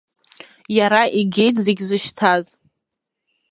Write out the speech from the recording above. Иара игеит зегь зышьҭаз.